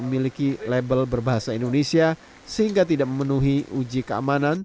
memiliki label berbahasa indonesia sehingga tidak memenuhi uji keamanan